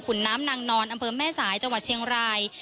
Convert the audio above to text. กุ่นน้ำนางนรอำเฟิร์มแม่สายจังหวัดเชียงราย